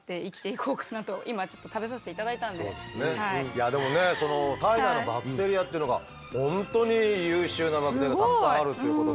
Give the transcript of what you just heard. いやでもねその体内のバクテリアっていうのが本当に優秀なバクテリアがたくさんあるっていうことでは。